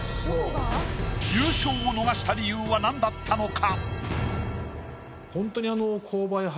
優勝を逃した理由はなんだったのか？